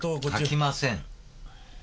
書きません。